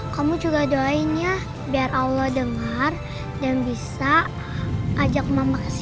kamu juga doain ya biar allah dengar dan bisa ajak mama kesini